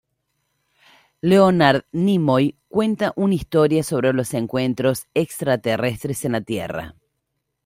Leonard Nimoy cuenta una historia sobre los encuentros extraterrestres en la Tierra.